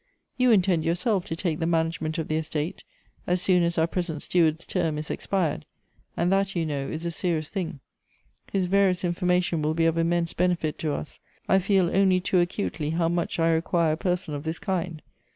You intend yourself to take the manage ment of the estate, as soon as our present steward's teim is expired ; and that, you know, is a serious thing. His various information will be of immense benefit to us; I feel only too acutely how much I require a person of this kind.